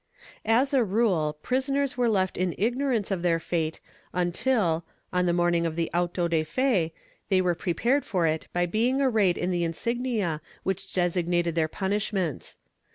As a rule, prisoners were left in ignorance of their fate until, on the morning of the auto de fe, they were prepared for it by being arrayed in the insignia which designated their punishments.